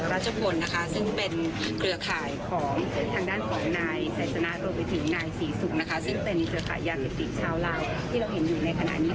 สัยสนาทรวมไปถึงนายศรีศุกร์ซึ่งเป็นยาติติชาวราวที่เราเห็นอยู่ในขณะนี้